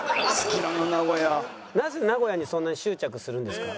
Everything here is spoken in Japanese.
「なぜ名古屋にそんなに執着するんですか？」。